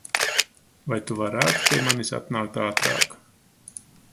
Vai Tu varētu pie manis atnākt ātrāk?